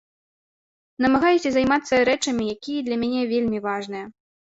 Намагаюся займацца рэчамі, якія для мяне вельмі важныя.